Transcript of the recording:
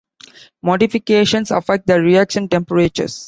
Modification affects the reaction temperatures.